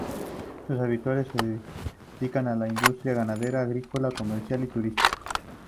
Sus habitantes se dedican a la industria ganadera, agrícola, comercial y turística.